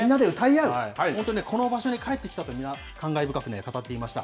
本当ね、この場所に帰ってきたと、感慨深く語っていました。